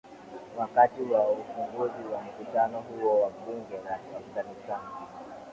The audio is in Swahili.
wakati wa ufunguzi wa mkutano huo wa bunge la afghanistan